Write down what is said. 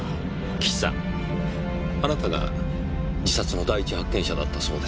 岸さんあなたが自殺の第一発見者だったそうですね。